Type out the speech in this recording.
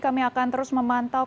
kami akan terus memantau